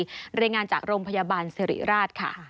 รายงานจากโรงพยาบาลสิริราชค่ะ